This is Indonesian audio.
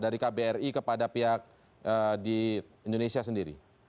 dari kbri kepada pihak di indonesia sendiri